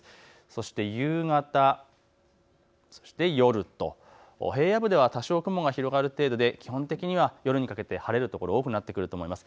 そして夕方、そして夜と平野部では多少雲が広がる程度で基本的には夜にかけて晴れる所多くなってくると思います。